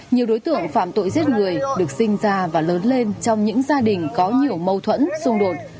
nhiều đối tượng phạm tội giết người được sinh ra và lớn lên trong những gia đình có nhiều mâu thuẫn xung đột